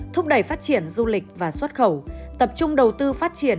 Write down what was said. thúc đẩy phát triển du lịch và xuất khẩu tập trung đầu tư phát triển